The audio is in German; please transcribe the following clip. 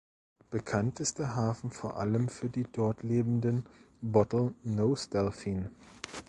Bekannt ist der Hafen vor allem für die dort lebenden "Bottle Nose Delfine".